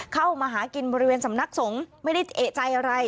เข้ามาหากินบริเวณสำนักสงฆ์ไม่ได้เอกใจอะไร